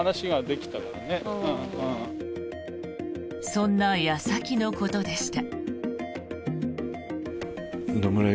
そんな矢先のことでした。